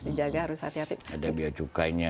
dijaga harus hati hati ada biaya cukainya